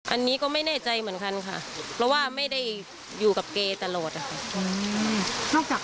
อันนี้ก็ไม่แน่ใจเหมือนกันค่ะเพราะว่าไม่ได้อยู่กับเกตลอดอะค่ะ